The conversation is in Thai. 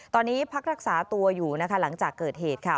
ตอนนี้พักรักษาตัวอยู่นะคะหลังจากเกิดเหตุค่ะ